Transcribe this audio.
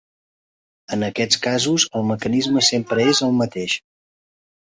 En aquests casos el mecanisme sempre és el mateix.